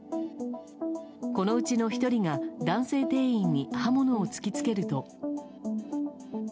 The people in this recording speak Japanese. このうちの１人が男性店員に刃物を突きつけると。